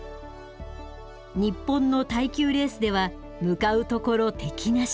日本の耐久レースでは向かうところ敵なし。